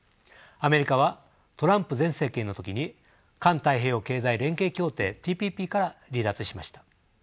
アメリカはトランプ前政権の時に環太平洋経済連携協定ＴＰＰから離脱しました。